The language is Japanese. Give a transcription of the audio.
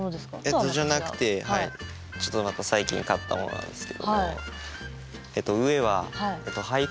えとじゃなくてちょっとまた最近買ったものなんですけども。